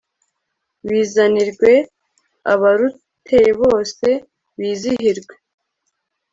bizanirwe abarutuyebose bizihirwe